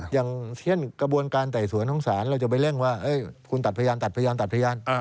อย่างเช่นกระบวนการไต่สวนของศาลเราจะไปเร่งว่าคุณตัดพยานตัดพยานตัดพยาน